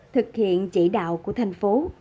thực hiện chỉ đạo của thành phố